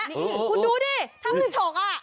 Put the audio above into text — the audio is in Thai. คุณดูดิถ้าคุณฉกอ่ะ